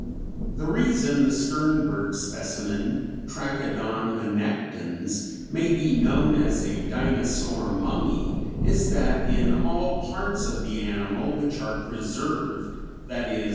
"The reason the Sternberg specimen (Trachodon annectens) may be known as a dinosaur 'mummy' is that in all the parts of the animal which are preserved (_i.e.